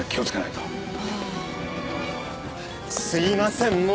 すいません